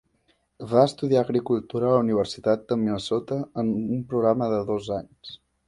Va estudiar agricultura a la Universitat de Minnesota en un programa de dos anys.